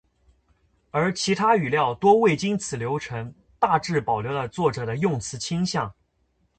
而其他语料多未经此流程，大致保留了作者的用词倾向。